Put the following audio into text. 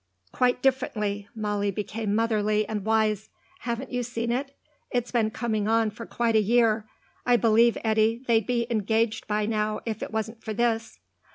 "Quite differently." Molly became motherly and wise. "Haven't you seen it? It's been coming on for quite a year. I believe, Eddy, they'd be engaged by now if it wasn't for this."